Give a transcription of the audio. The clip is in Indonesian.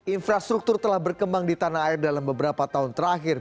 infrastruktur telah berkembang di tanah air dalam beberapa tahun terakhir